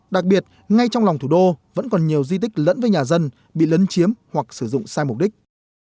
đặc biệt ngay trong lòng thủ đô vẫn còn nhiều di tích lẫn với nhà dân bị lấn chiếm hoặc sử dụng sai mục đích